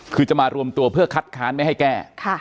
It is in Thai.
คือจะมารวมตัวเพื่อคัดค้านไม่ให้แก้